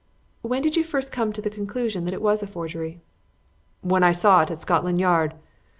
"When did you first come to the conclusion that it was a forgery?" "When I saw it at Scotland Yard.